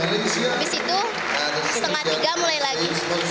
habis itu setengah tiga mulai lagi